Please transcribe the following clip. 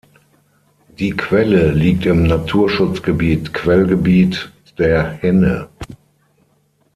Die Quelle liegt im Naturschutzgebiet Quellgebiet der Henne.